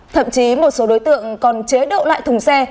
thậm chí một số đối tượng còn chế độ lại thùng xe